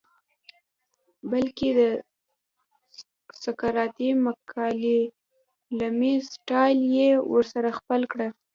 بلکه د سقراطی مکالمې سټائل ئې ورسره خپل کړۀ